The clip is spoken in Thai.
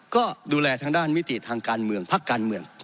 ก็ดูแลทางด้านมิติทางการเมืองพักการเมือง